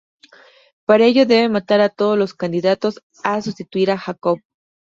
Para ello debe matar a todos los "candidatos" a sustituir a Jacob.